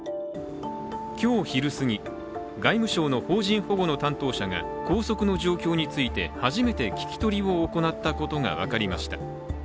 今日昼すぎ、外務省の邦人保護の担当者が拘束の状況について、初めて聞き取りを行ったことが分かりました。